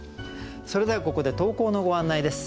それではここで投稿のご案内です。